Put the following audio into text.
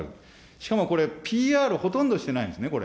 しかもこれ、ＰＲ、ほとんどしてないんですね、これ。